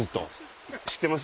知ってます？